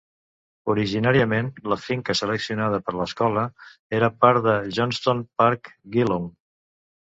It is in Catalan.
Originàriament, la finca seleccionada per l'escola era part del Johnstone Park, Geelong.